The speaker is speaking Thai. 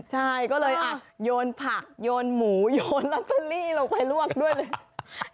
ใช่ก็เลยโยนผักโยนหมูโยนลอตเตอรี่ลงไปลวกด้วยเลย